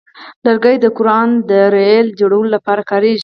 لرګی د قران د رحل جوړولو لپاره کاریږي.